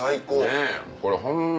ねぇこれホンマ